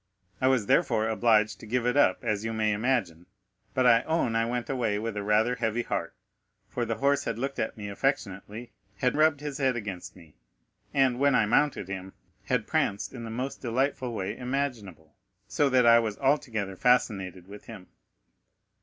I was, therefore, obliged to give it up, as you may imagine, but I own I went away with rather a heavy heart, for the horse had looked at me affectionately, had rubbed his head against me and, when I mounted him, had pranced in the most delightful way imaginable, so that I was altogether fascinated with him.